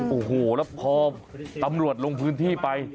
โอ้โหแล้วพอตำรวจลงพื้นที่ไป